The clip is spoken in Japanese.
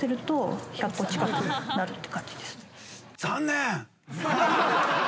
残念！